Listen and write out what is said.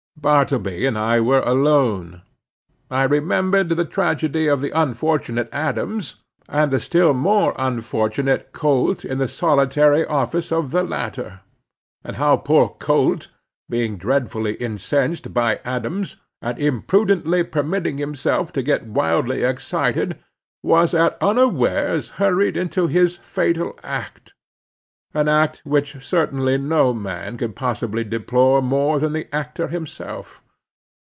Bartleby and I were alone. I remembered the tragedy of the unfortunate Adams and the still more unfortunate Colt in the solitary office of the latter; and how poor Colt, being dreadfully incensed by Adams, and imprudently permitting himself to get wildly excited, was at unawares hurried into his fatal act—an act which certainly no man could possibly deplore more than the actor himself.